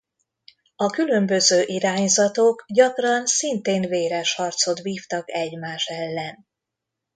A különböző irányzatok gyakran szintén véres harcot vívtak egymás ellen.